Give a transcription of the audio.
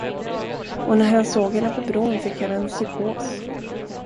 Och när han såg henne på bron fick han en psykos.